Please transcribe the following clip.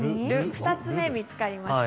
２つ見つかりました。